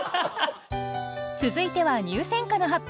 続いては入選歌の発表。